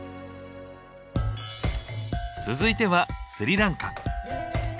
続いてはスリランカ。